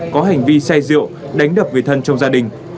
có hành vi say rượu đánh đập người thân trong gia đình